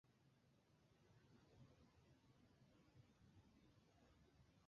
সেই ধলেশ্বরীর পারে পোথাইল গ্রামের মেয়ে পপি রাণী ভালো ব্যাটিং করে।